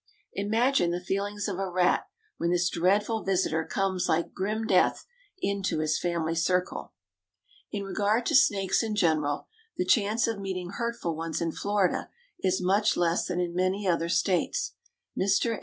Imagine the feelings of a rat when this dreadful visitor comes like grim death into his family circle! In regard to snakes in general, the chance of meeting hurtful ones in Florida is much less than in many other States. Mr.